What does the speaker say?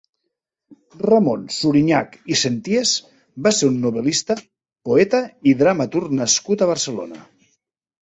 Ramon Suriñach i Senties va ser un novel·lista, poeta i dramaturg nascut a Barcelona.